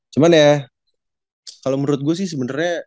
cuman ya kalau menurut gue sih sebenarnya